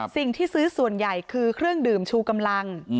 ซื้อส่วนใหญ่คือเครื่องดื่มชูกำลัง